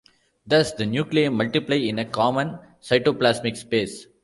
Thus, the nuclei multiply in a common cytoplasmic space.